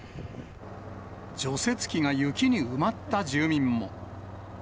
除雪機が雪に埋まった住民も。